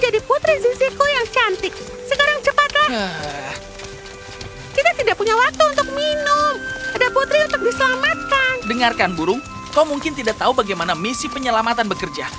dengarkan burung kau mungkin tidak tahu bagaimana misi penyelamatan bekerja